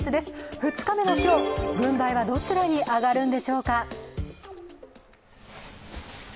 ２日目の今日、軍配はどちらに上がるんでしょうか。